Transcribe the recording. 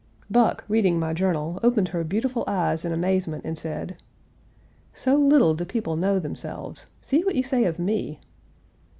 Buck, reading my journal, opened her beautiful eyes in amazement and said: "So little do people know themselves! See what you say of me!"